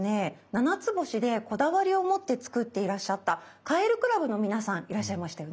ななつぼしでこだわりを持って作っていらっしゃったカエル倶楽部の皆さんいらっしゃいましたよね。